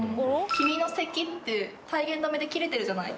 「君の席」って体言止めで切れてるじゃない。